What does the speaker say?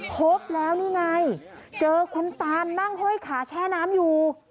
พบแล้วนี่ไงเจอคุณตานนั่งห้อยขาแช่น้ำอยู่